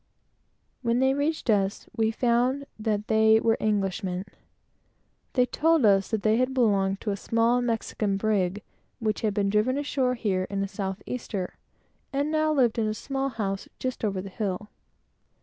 When they came down to us, we found that they were Englishmen, and they told us that they had belonged to a small Mexican brig which had been driven ashore here in a south easter, and now lived in a small house just over the hill.